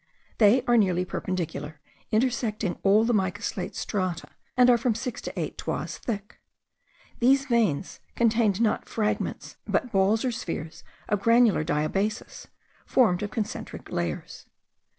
They are nearly perpendicular, intersecting all the mica slate strata, and are from six to eight toises thick. These veins contain not fragments, but balls or spheres of granular diabasis,* formed of concentric layers.